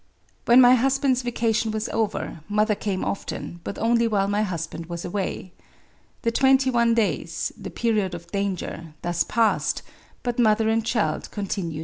••. When my husband's vacation was over, mother came often, but only while my husband was away. The twenty one days [the period of danger'] thus passed ; but mother and child continued well.